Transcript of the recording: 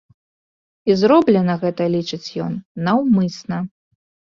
І зроблена гэта, лічыць ён, наўмысна.